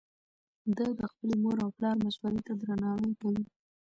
ده د خپلې مور او پلار مشورې ته درناوی کوي.